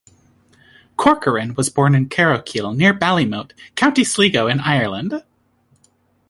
Corcoran was born in Carrowkeel, near Ballymote, County Sligo in Ireland.